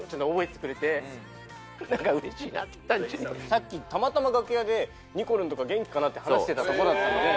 さっきたまたま楽屋で「にこるんとか元気かな」って話してたとこだったんで。